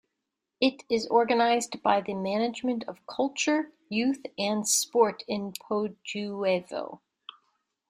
It is organized by the Management of Culture, Youth and Sport in Podujevo.